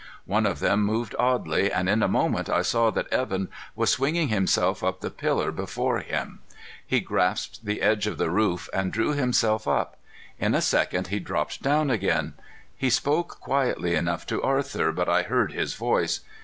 One of them moved oddly, and in a moment I saw that Evan was swinging himself up the pillar before him. He grasped the edge of the roof and drew himself up. In a second he dropped down again. He spoke quietly enough to Arthur, but I heard his voice.